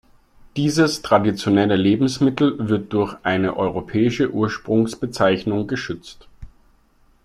Dieses traditionelle Lebensmittel wird durch eine europäische Ursprungsbezeichnung geschützt.